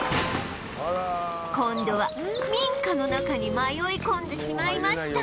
今度は民家の中に迷い込んでしまいました